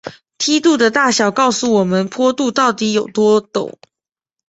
梯度的大小告诉我们坡度到底有多陡。